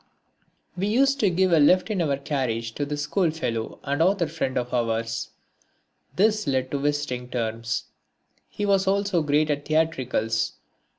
We used to give a lift in our carriage to this schoolfellow and author friend of ours. This led to visiting terms. He was also great at theatricals.